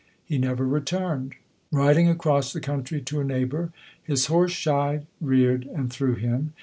He never re turned. Riding across the country to a neigh bour, his horse shyed, reared, and threw him.